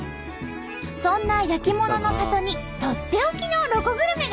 そんな焼き物の里にとっておきのロコグルメが。